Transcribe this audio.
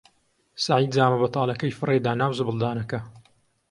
سەعید جامە بەتاڵەکەی فڕێ دا ناو زبڵدانەکە.